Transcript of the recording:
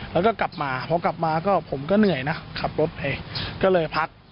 แล้วก็กลับมาพอกลับมาก็ผมก็เหนื่อยนะขับรถไปก็เลยพัก